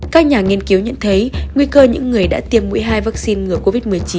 các nhà nghiên cứu nhận thấy nguy cơ những người đã tiêm mũi hai vaccine ngừa covid một mươi chín